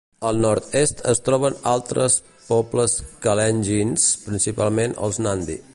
Al nord-est es troben altres pobles kalenjins, principalment els nandi.